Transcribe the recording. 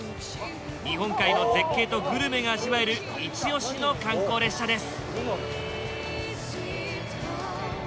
日本海の絶景とグルメが味わえるいち押しの観光列車です。